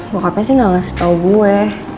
bokapnya sih ga ngasih tau gue